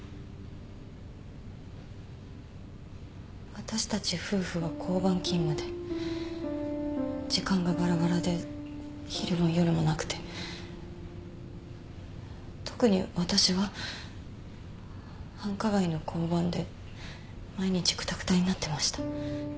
私たち夫婦は交番勤務で時間がバラバラで昼も夜もなくて特に私は繁華街の交番で毎日くたくたになってました。